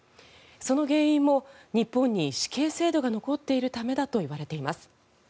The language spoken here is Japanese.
その原因も日本に死刑制度が残っているためだといわれています。